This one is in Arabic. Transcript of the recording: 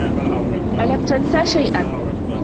ألم تنس شيئا؟